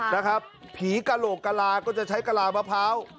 นะครับผีกระโหลกกะลาก็จะใช้กะลามะพร้าว